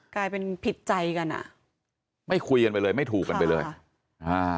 กลายเป็นผิดใจกันอ่ะไม่คุยกันไปเลยไม่ถูกกันไปเลยอ่า